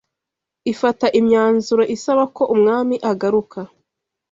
ifata imyanzuro isaba ko umwami agaruka